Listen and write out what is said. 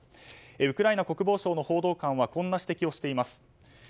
ウクライナ国防省の報道官はこんな指摘をしています。